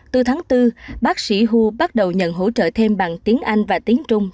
từ tháng bốn bác sĩ hu bắt đầu nhận hỗ trợ thêm bằng tiếng anh và tiếng trung